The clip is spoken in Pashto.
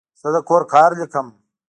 زه د کور کار لیکم.